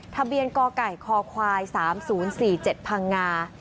ทะเบียนกไก่คควาย๓๐๔๗พังงา